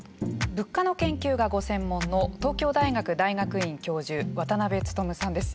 物価の研究がご専門の東京大学大学院教授渡辺努さんです。